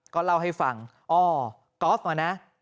ก็เล่าให้ฟังอ้อกอล์ฟอ่ะนะ